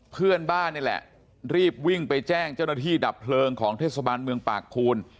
เพื่อนบ้านนี่แหละรีบวิ่งไปแจ้งเจ้าหน้าที่ดับเพลิงของเทศบาลเมืองปากภูน